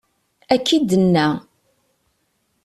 Akka i d-tenna.